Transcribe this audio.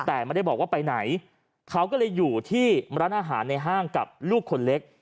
แต่ไม่ได้บอกว่าไปไหนเขาก็เลยอยู่ที่ร้านอาหารในห้างกับลูกคนเล็ก